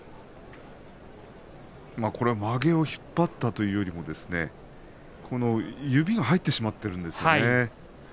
これがまげを引っ張ったというより指が入ってしまったということですね。